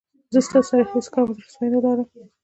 زه ستاسو سره هېڅ کوم زړه سوی نه لرم.